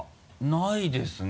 ないですね